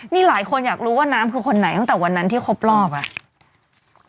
นี่หลายคนอยากรู้ว่าน้ำคือคนไหนตั้งแต่วันนั้นที่ครบรอบอ่ะ